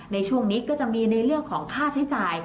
ในช่วงนี้ก็จะมีในเรื่องของค่าใช้จ่าย